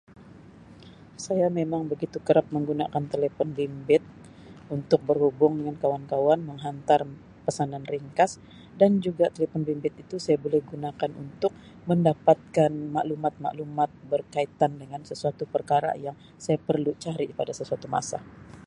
Saya memang begitu kerap menggunakan telepon bimbit untuk berhubung dengan kawan-kawan menghantar pesanan ringkas dan juga telepon bimbit itu saya boleh gunakan untuk mendapatkan maklumat-maklumat berkaitan dengan sesuatu perkara yang saya perlu cari pada sesuatu masa.